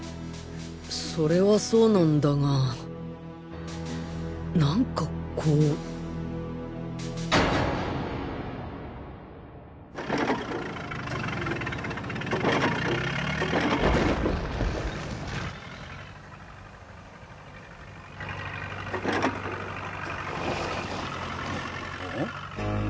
それはそうなんだが何かこうああ？